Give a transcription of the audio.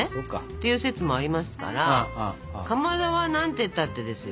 ていう説もありますからかまどはなんてったってですよ